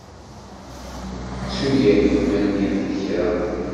Ttu yakk ma nniɣ-d kra.